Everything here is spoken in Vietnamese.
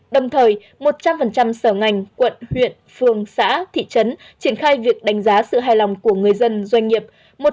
đồng thời một trăm linh sở ngành quận huyện phường xã thị trấn triển khai việc đánh giá sự hài lòng của người dân doanh nghiệp